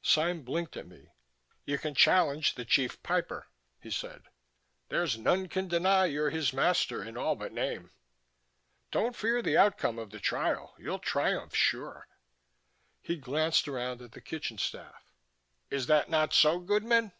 Sime blinked at me. "You can challenge the Chief Piper," he said. "There's none can deny you're his master in all but name. Don't fear the outcome of the Trial; you'll triumph sure." He glanced around at the kitchen staff. "Is it not so, goodmen?"